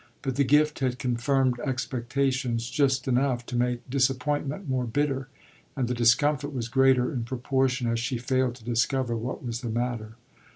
But the gift had confirmed expectations just enough to make disappointment more bitter; and the discomfort was greater in proportion as she failed to discover what was the matter.